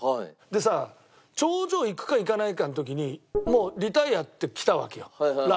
でさ頂上行くか行かないかの時に「もうリタイア」って来たわけよＬＩＮＥで。